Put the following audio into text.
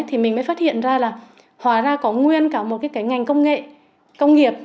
thì mình mới phát hiện ra là hòa ra có nguyên cả một cái ngành công nghệ công nghiệp